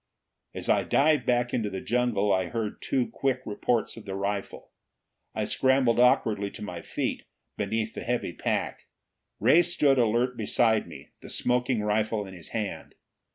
As I dived back into the jungle, I heard two quick reports of the rifle. I scrambled awkwardly to my feet, beneath the heavy pack. Ray stood alert beside me, the smoking rifle in his hand.